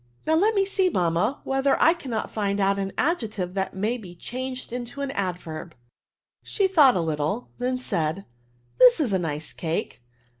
'*^'^ Now let me see^. Buoanu, whether I can* not find out an adjective that may be changed into an adverb/' She thought a little, then said^ ^ This is a nice cake.